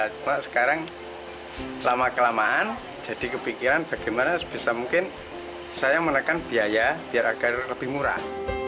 cuma sekarang lama kelamaan jadi kepikiran bagaimana sebisa mungkin saya menekan biaya biar agar lebih murah